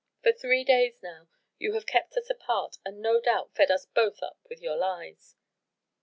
For three days now you have kept us apart and no doubt fed us both up with your lies.